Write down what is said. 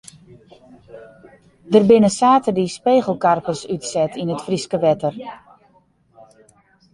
Der binne saterdei spegelkarpers útset yn it Fryske wetter.